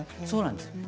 そうなんです。